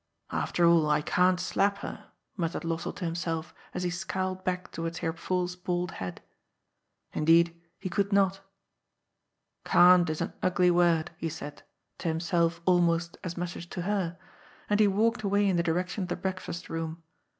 ^* After all, I can't slap her," muttered Lossell to himself, as he scowled back towards Herr Pfuhl's bald head. Indeed, he could not. ^^^ Can't ' is an ugly word," he said, to himself almost as much as to her, and he walked away in the direction of the breakfast*room.